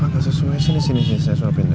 ga sesuai sini sini sini saya suapin deh